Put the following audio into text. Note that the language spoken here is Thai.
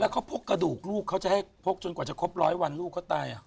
เขาพกกระดูกลูกเขาจะให้พกจนกว่าจะครบร้อยวันลูกเขาตาย